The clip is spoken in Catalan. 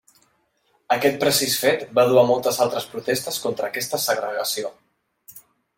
Aquest precís fet va dur a moltes altres protestes contra aquesta segregació.